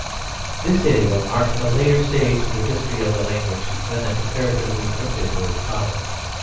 _ This idiom marks a later stage of the history of the language than the comparatively primitive word "Father."